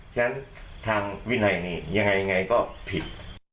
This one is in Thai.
ฉะนั้นทางวินัยนี้ยังไงก็ผิด